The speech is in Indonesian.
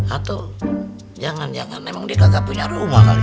atau jangan jangan emang dia gak punya rumah kali